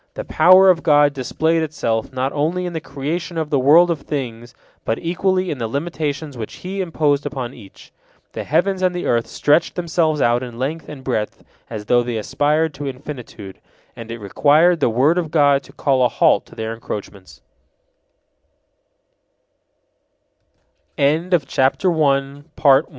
The power of God displayed itself not only in the creation of the world of things, but equally in the limitations which He imposed upon each. The heavens and the earth stretched themselves out in length and breadth as though they aspired to infinitude, and it required the word of God to call a halt to thei